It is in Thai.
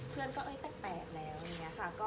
เพื่อนก็เอ้ยแปลกแล้วเนี่ยค่ะ